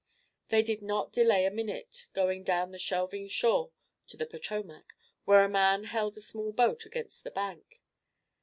They did not delay a minute, going down the shelving shore to the Potomac, where a man held a small boat against the bank.